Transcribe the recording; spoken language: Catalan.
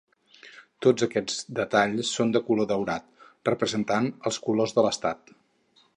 Tots aquests detalls són de color daurat, representant els colors de l'estat.